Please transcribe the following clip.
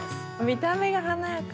見た目が華やか。